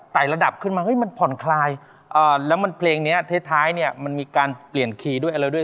ระดับขึ้นมาเฮ้ยมันผ่อนคลายแล้วมันเพลงนี้ท้ายเนี่ยมันมีการเปลี่ยนคีย์ด้วยอะไรด้วย